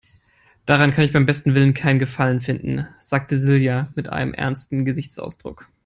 "Daran kann ich beim besten Willen keinen Gefallen finden", sagte Silja mit einem ernsten Gesichtsausdruck.